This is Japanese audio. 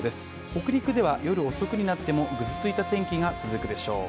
北陸では夜遅くになってもぐずついた天気が続くでしょう。